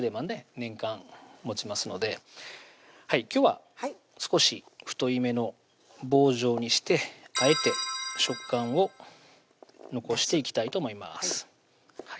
年間もちますので今日は少し太いめの棒状にしてあえて食感を残していきたいと思います